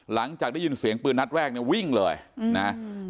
หลังจากได้ยินเสียงปืนนัดแรกเนี่ยวิ่งเลยนะ